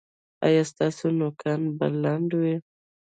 ایا ستاسو نوکان به لنډ وي؟